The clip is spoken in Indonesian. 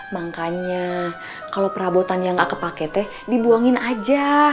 makanya kalau perabotan yang gak kepake teh dibuangin aja